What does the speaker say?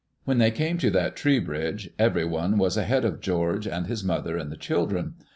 When they came to that tree bridge, everyone was ahead of George and his mother and the children.